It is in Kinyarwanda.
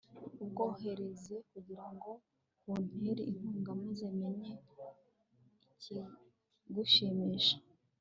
ubwohereze, kugira ngo buntere inkunga maze menye ikigushimisha